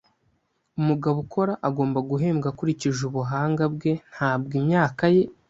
Umugabo ukora agomba guhembwa akurikije ubuhanga bwe, ntabwo imyaka ye.